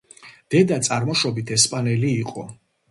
დედა წარმოშობით ესპანელი იყო.